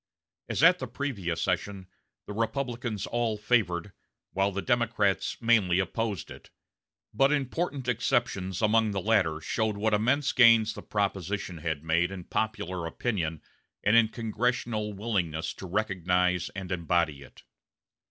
As at the previous session, the Republicans all favored, while the Democrats mainly opposed it; but important exceptions among the latter showed what immense gains the proposition had made in popular opinion and in congressional willingness to recognize and embody it.